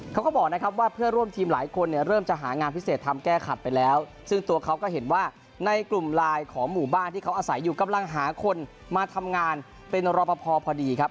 เขาก็บอกนะครับว่าเพื่อร่วมทีมหลายคนเนี่ยเริ่มจะหางานพิเศษทำแก้ขัดไปแล้วซึ่งตัวเขาก็เห็นว่าในกลุ่มไลน์ของหมู่บ้านที่เขาอาศัยอยู่กำลังหาคนมาทำงานเป็นรอปภพอดีครับ